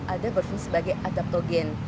ada berfungsi sebagai adaptogen